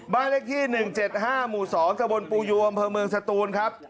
บ้านเลขที่๑๗๕หมู่๒ตะบนปูยูอำเภอเมืองสตูนครับ